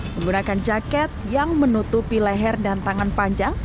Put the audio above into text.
menggunakan jaket yang menutupi leher dan tangan panjang